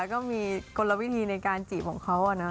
ก็มีกลวิธีในการจีบของเขานะ